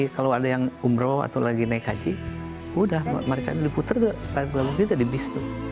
kalau ada yang umroh atau lagi naik haji udah mereka diputer tuh lagu lagu kita di bis tuh